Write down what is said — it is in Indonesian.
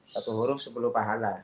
satu huruf sepuluh pahala